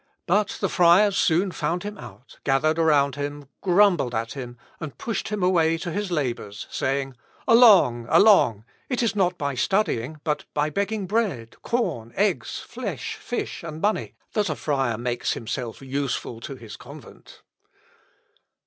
But the friars soon found him out, gathered around him, grumbled at him, and pushed him away to his labours, saying, "Along! along! it is not by studying, but by begging bread, corn, eggs, fish, flesh, and money, that a friar makes himself useful to his convent."